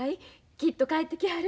きっと帰ってきはる。